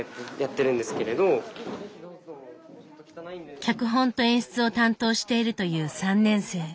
脚本と演出を担当しているという３年生。